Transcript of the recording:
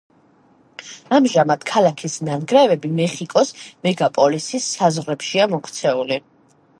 ამჟამად ქალაქის ნანგრევები მეხიკოს მეგაპოლისის საზღვრებშია მოქცეული.